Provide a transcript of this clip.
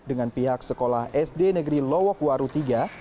dengan pihak sekolah sd negeri lowok waru iii